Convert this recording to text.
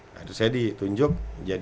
nah itu saya ditunjuk